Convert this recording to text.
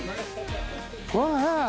うわ！